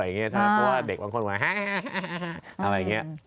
เพราะว่าเด็กบางคนหมายแฮอะไรอย่างนี้